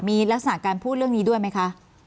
มีลักษณะการพูดเรื่องนี้ด้วยไหมคะ